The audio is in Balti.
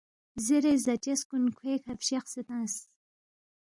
زیرے زاچس کُن کھوے کھہ فشقسے تنگس